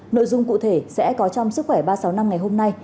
nội dung cụ thể sẽ có trong sức khỏe ba trăm sáu mươi năm ngày hôm nay